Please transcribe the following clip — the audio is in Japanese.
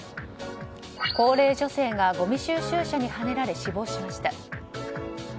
高齢女性がごみ収集車にはねられ死亡しました。